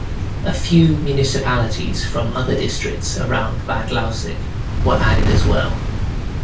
A few municipalities from other districts around Bad Lausick were added as well.